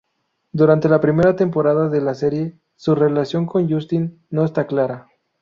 Durante la primera temporada de la serie, su relación con Justin no está clara.